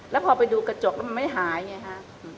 แล้วพอไปดูกระจกมันไม่หายไงค่ะ